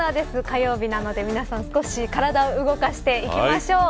火曜日なので皆さん少し体を動かしていきましょう。